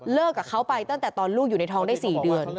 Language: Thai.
กับเขาไปตั้งแต่ตอนลูกอยู่ในท้องได้๔เดือน